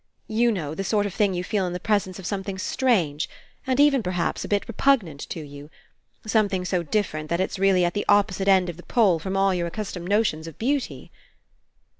You know, the sort of thing you feel in the presence of something strange, and even, perhaps, a bit repugnant to you; something so different that it's really at the opposite end of the pole from all your accus tomed notions of beauty."